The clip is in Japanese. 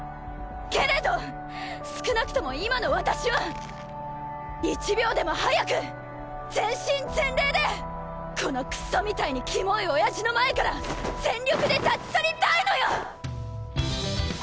けれど少なくとも今の私は１秒でも早く全身全霊でこのクソみたいにきもいおやじの前から全力で立ち去りたいのよ！